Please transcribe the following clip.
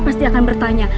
pasti akan bertanya